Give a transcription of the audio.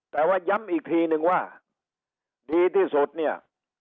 แต่ว่าย้ำอีกทีนึงว่าดีที่สุดเนี่ย